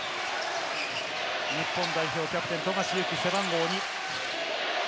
日本代表キャプテン・富樫勇樹、背番号２。